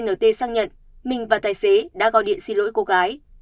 tuy nhiên nhà xe nt sang nhận mình và tài xế đã gọi điện xin lỗi cô gái